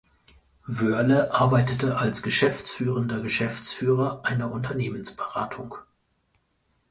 Wörle arbeitete als Geschäftsführender Geschäftsführer einer Unternehmensberatung.